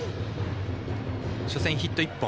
初戦ヒット１本。